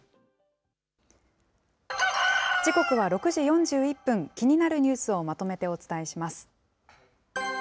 時刻は６時４１分、気になるニュースをまとめてお伝えします。